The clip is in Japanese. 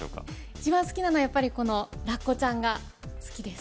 一番好きなのはやっぱりこのラッコちゃんが好きです